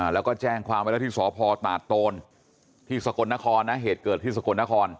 แล้วก็แจ้งความไว้แล้วที่สพตาดโตนที่สกลนครนะเหตุเกิดที่สกลนคร